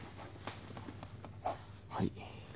はい。